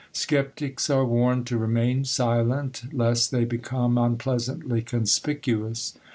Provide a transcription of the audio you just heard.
Sceptics are warned to remain silent, lest they become unpleasantly conspicuous.